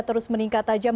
terus meningkat tajam